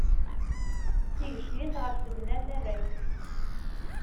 Tigejdit ɣef tebna tarrayt.